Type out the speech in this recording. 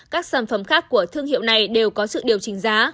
các sản phẩm khác của thương hiệu này đều có sự điều chỉnh giá